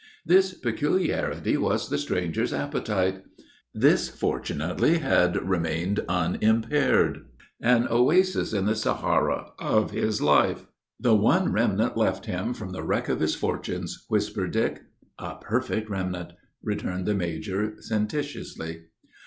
This peculiarity was the stranger's appetite. This, fortunately, had remained unimpaired, an oasis in the Sahara of his life. "The one remnant left him from the wreck of his fortunes," whispered Dick. "A perfect remnant!" returned the major, sententiously.